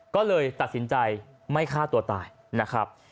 ก็เลยตัดสินใจไม่ฆ่าตัวตายนะครับ